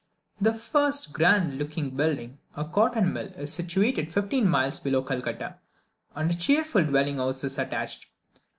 The first grand looking building, a cotton mill, is situated fifteen miles below Calcutta, and a cheerful dwelling house is attached.